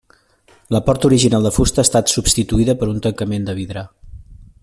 La porta original de fusta ha estat substituïda per un tancament de vidre.